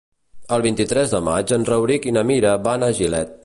El vint-i-tres de maig en Rauric i na Mira van a Gilet.